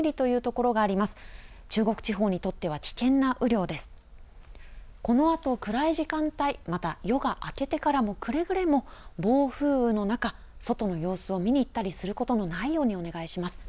このあと、暗い時間帯、また、夜が明けてからも、くれぐれも暴風雨の中、外の様子を見に行ったりすることのないようにお願いします。